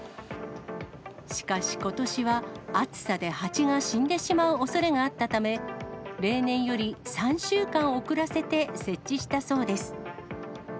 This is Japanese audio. しかし、ことしは暑さでハチが死んでしまうおそれがあったため、例年より３週間遅らせて設置したそうです。